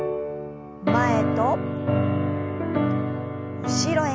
前と後ろへ。